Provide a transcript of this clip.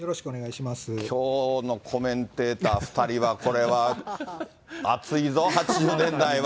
きょうのコメンテーター２人は、これは熱いぞ、８０年代は。